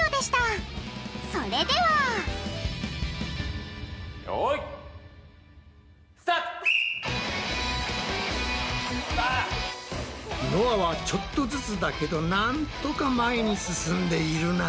それではよい！のあはちょっとずつだけどなんとか前に進んでいるな。